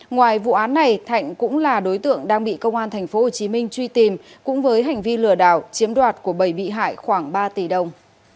ngoài vụ án này thạnh cũng là đối tượng đang bị công an thành phố hồ chí minh truy tìm cũng với hành vi lừa đảo chiếm đoạt của bảy bị hại khoảng ba tỷ đồng